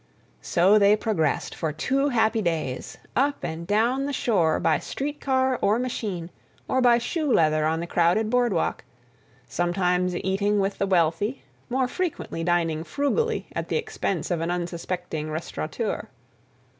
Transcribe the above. So they progressed for two happy days, up and down the shore by street car or machine, or by shoe leather on the crowded boardwalk; sometimes eating with the wealthy, more frequently dining frugally at the expense of an unsuspecting restaurateur.